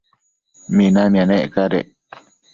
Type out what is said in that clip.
minamia nec cadec